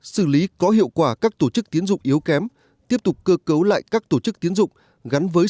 xử lý có hiệu quả các tổ chức tiến dụng yếu kém tiếp tục cơ cấu lại các tổ chức tiến dụng gắn với